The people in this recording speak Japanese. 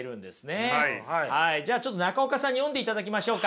じゃあちょっと中岡さんに読んでいただきましょうか。